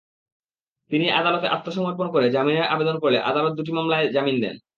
তিনি আদালতে আত্মসমর্পণ করে জামিনের আবেদন করলে আদালত দুটি মামলায় জামিন দেন।